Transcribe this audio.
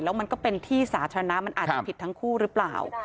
แล้วมันก็เป็นที่สาธารณะมันอาจจะผิดทั้งคู่หรือเปล่า